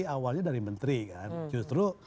awalnya dari menteri kan justru